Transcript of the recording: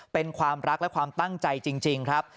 เป็นความรักและความตั้งใจจริงครับ